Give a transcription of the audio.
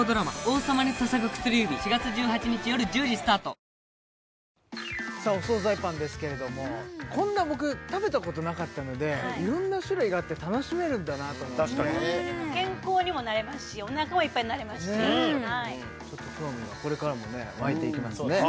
アサヒの緑茶「颯」さあお惣菜パンですけれどもこんな僕食べたことなかったのでいろんな種類があって楽しめるんだなと思って健康にもなれますしおなかもいっぱいになれますしちょっと興味がこれからもねわいていきますね